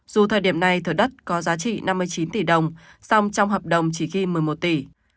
dù thời điểm này thửa đất có giá trị năm mươi chín tỷ đồng song trong hợp đồng chỉ ghi một mươi một tỷ